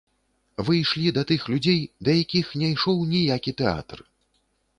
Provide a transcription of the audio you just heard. Вы ішлі да тых людзей, да якіх не ішоў ніякі тэатр.